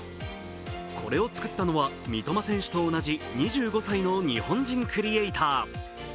これを作ったのは三笘選手と同じ２５歳の日本人クリエイター。